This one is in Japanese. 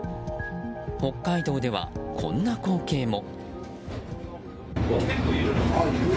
北海道では、こんな光景も。